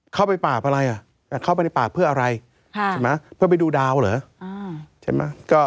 เข้าไปป่าอะไรอยากเข้าไปในป่าเพื่ออะไรเพื่อไปดูดาวเหรอ